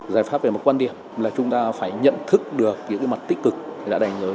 giải pháp về một quan điểm là chúng ta phải nhận thức được những mặt tích cực đã đánh giới